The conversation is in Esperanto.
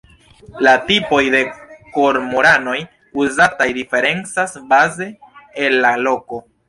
La tipoj de kormoranoj uzataj diferencas baze el la loko.